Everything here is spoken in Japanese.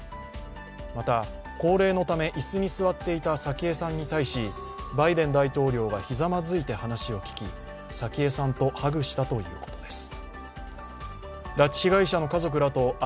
また、高齢のため椅子に座っていた早紀江さんに対しバイデン大統領がひざまずいて話を聞き早紀江さんとハグしたということです。